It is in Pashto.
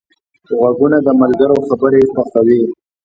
غوږونه د ملګرو خبرې خوښوي